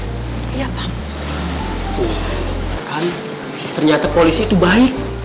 tuh kan ternyata polisi itu baik